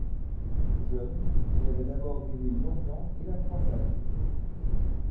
Jeune, il avait d'abord rêvé l'Orient et la croisade.